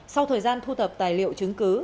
sau thời gian thu tập tài liệu chứng cứ